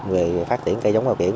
về phát triển cây giống hòa tiển